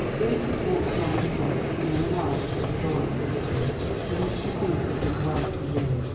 Beatrice walked along the cliff, and in an hour was at the door of the Vicarage, from which she seemed to have been away for years.